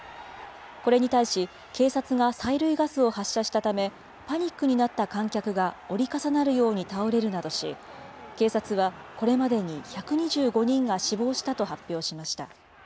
これに対し、警察が催涙ガスを発射したため、パニックになった観客が折り重なるように倒れるなどし、警察はこれまでに１２５人が死亡したと発表しました。